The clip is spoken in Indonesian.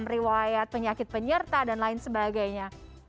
riwayat penyakit penyerta dan lain sebagainya